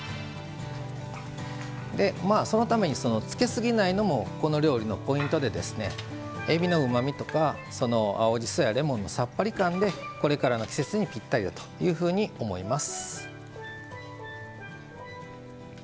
そのためにつけすぎないのもこの料理のポイントでえびのうまみとか青じそやレモンのさっぱり感でこれからの季節にぴったりだというふうに思います。